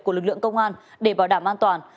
của lực lượng công an để bảo đảm an toàn